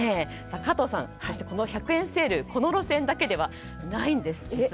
加藤さん、この１００円セールこの路線だけではないんですよ。